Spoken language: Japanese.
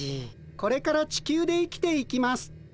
これからチキュウで生きていきます。